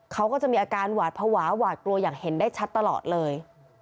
เขาก็จะมีอาการหวาดภาวะหวาดกลัวอย่างเห็นได้ชัดตลอดเลย